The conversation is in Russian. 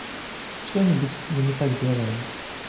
Что-нибудь мы не так делаем.